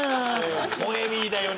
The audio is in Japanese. ポエミーだよね。